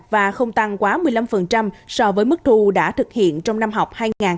và không tăng quá một mươi năm so với mức thu đã thực hiện trong năm học hai nghìn hai mươi hai hai nghìn hai mươi ba